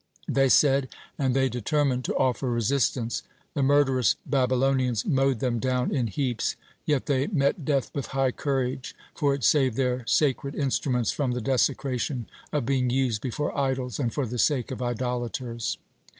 (54) they said, and they determined to offer resistance. The murderous Babylonians mowed them down in heaps, yet they met death with high courage, for it saved their sacred instruments from the desecration of being used before idols and for the sake of idolaters.